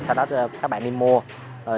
sau đó các bạn đi mua